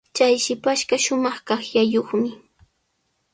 Chay shipashqa shumaq qaqllayuqmi.